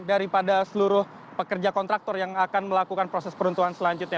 daripada seluruh pekerja kontraktor yang akan melakukan proses peruntuhan selanjutnya